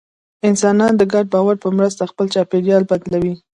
انسانان د ګډ باور په مرسته خپل چاپېریال بدلوي.